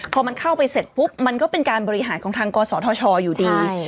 พอมันเข้าไปเสร็จปุ๊บมันก็เป็นการบริหารของทางกศธชอยู่ดี